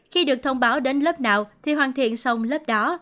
khi được thông báo đến lớp nào thì hoàn thiện xong lớp đó